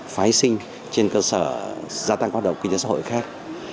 phái sinh trên cơ sở gia tăng hoạt động kinh tế xã hội khác